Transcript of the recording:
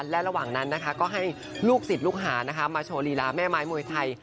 และระหว่างนั้นนะคะก็ให้ลูกศิษย์ลูกหามาโชว์ลีลาแม่ไม้มวยไทย